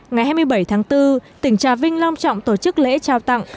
ngày hai mươi bảy tháng bốn tỉnh trà vinh long trọng tổ chức lễ trao tặng